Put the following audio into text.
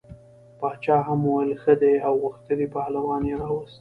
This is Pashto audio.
باچا هم وویل ښه دی او غښتلی پهلوان یې راووست.